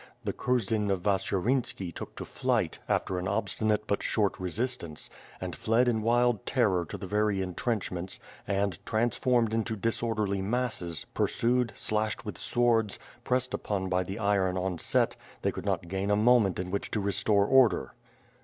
The kiirzen of Vasyurynski took to flight, after an obstinate but short resistance, and fled in wild terror to the very intrench ments and, transformed into disorderly masses, pursued, slashed with swords, pressed upon by the iron onset, they could not gain a moment in which to restore order.